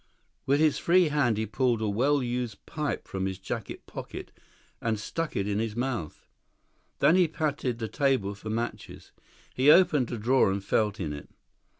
With his free hand he pulled a well used pipe from his jacket pocket and stuck it in his mouth. Then he patted the table for matches. He opened a drawer and felt in it.